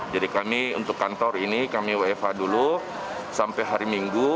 jadi kami untuk kantor ini kami wfh dulu sampai hari minggu